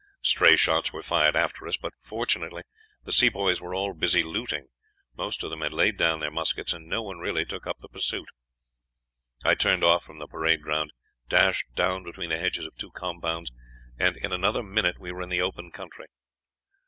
Stray shots were fired after us. But fortunately the Sepoys were all busy looting, most of them had laid down their muskets, and no one really took up the pursuit. I turned off from the parade ground, dashed down between the hedges of two compounds, and in another minute we were in the open country.